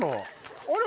あれ？